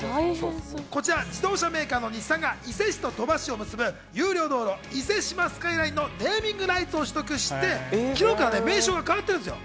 こちら自動車メーカーの日産が伊勢市と鳥羽市を結ぶ有料道路、伊勢志摩スカイラインのネーミングライツを取得して昨日から名称が変わっているんですよ。